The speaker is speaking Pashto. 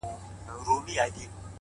نه مالونه به خوندي وي د خانانو!!